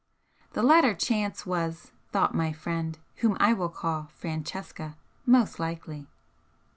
The latter chance was, thought my friend, whom I will call Francesca, most likely.